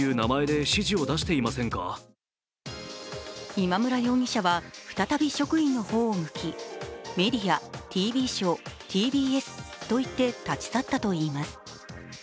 今村容疑者は、再び職員の方を向き、「メディア、ＴＶショー、ＴＢＳ」と言って立ち去ったといいます。